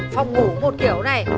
phòng ngủ một kiểu này